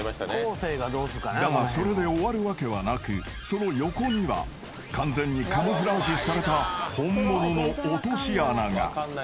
［だがそれで終わるわけはなくその横には完全にカムフラージュされた本物の落とし穴が］